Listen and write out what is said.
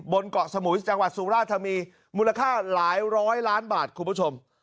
บนเกาะสมุยจังหวัดสุราธานีมูลค่าหลายร้อยล้านบาทคุณผู้ชม